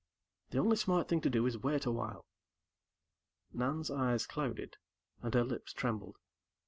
The only smart thing to do is wait a while." Nan's eyes clouded, and her lips trembled.